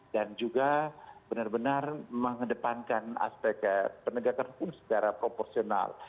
dan juga benar benar mengedepankan aspek penegakan hukum secara proporsional